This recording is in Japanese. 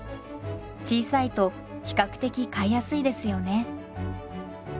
小さいと比較的飼いやすいですよね。